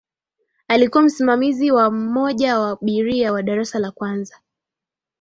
alikuwa msimamizi wa mmoja wa abiria wa darasa la kwanza